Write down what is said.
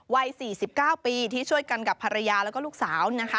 วัย๔๙ปีที่ช่วยกันกับภรรยาแล้วก็ลูกสาวนะคะ